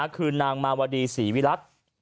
คือนางมาวดีศรีวิรัติ